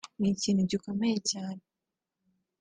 ni ikintu gikomeye cyane